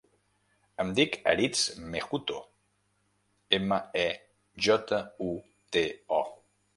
Em dic Aritz Mejuto: ema, e, jota, u, te, o.